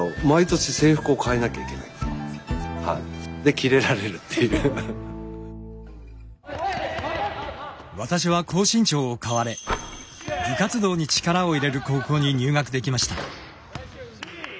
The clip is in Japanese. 計算すると私は高身長を買われ部活動に力を入れる高校に入学できました。